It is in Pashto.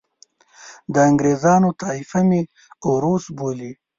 د انګریزانو طایفه مې اوروس بولي.